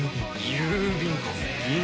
郵便か。